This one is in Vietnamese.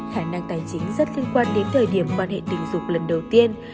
khả năng tài chính rất liên quan đến thời điểm quan hệ tình dục lần đầu tiên